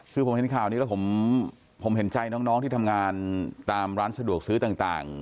คือผมเห็นข่าวนี้แล้วผมเห็นใจน้องที่ทำงานตามร้านสะดวกซื้อต่าง